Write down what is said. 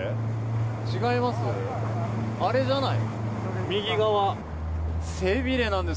違います？